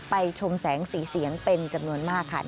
ชมแสงสีเสียงเป็นจำนวนมากค่ะ